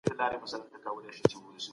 د بدن ګڼ هورمونونه په ګډه کار کوي.